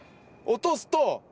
落とすと。